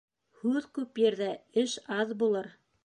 Һүҙ күп ерҙә эш аҙ булыр.